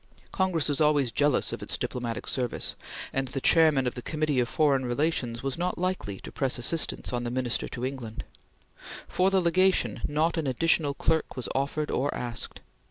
Congress was always jealous of its diplomatic service, and the Chairman of the Committee of Foreign Relations was not likely to press assistance on the Minister to England. For the Legation not an additional clerk was offered or asked.